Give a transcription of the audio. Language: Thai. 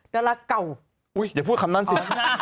ดาราเก่าอุ้ยอย่าพูดคำนั้นสิ